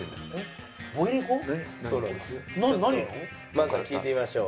まずは聞いてみましょう。